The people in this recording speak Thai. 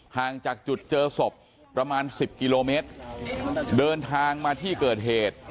ห่างจากจุดเจอศพประมาณสิบกิโลเมตรเดินทางมาที่เกิดเหตุ